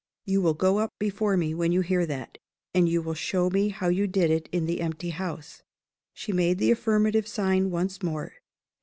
You will go up before me when you hear that and you will show me how you did it in the empty house?" She made the affirmative sign once more.